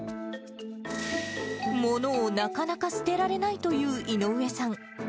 ものをなかなか捨てられないという井上さん。